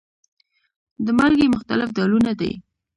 د مالګې مختلف ډولونه دي.